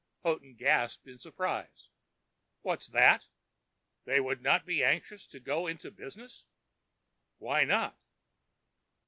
Houghton gasped in surprise. "What's that—they wouldn't be anxious to go into business! Why not?"